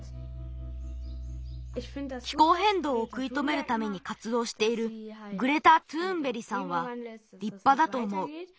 きこうへんどうをくいとめるためにかつどうしているグレタ・トゥーンベリさんはりっぱだとおもう。